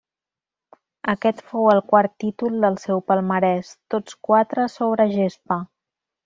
Aquest fou el quart títol del seu palmarès, tots quatre sobre gespa.